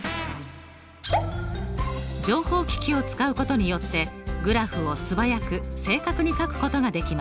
情報機器を使うことによってグラフを素早く正確にかくことができます。